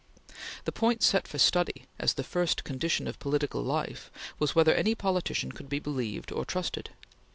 The point set for study as the first condition of political life, was whether any politician could be believed or trusted.